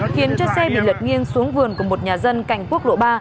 khiến cho xe bị lật nghiêng xuống vườn của một nhà dân cạnh quốc độ ba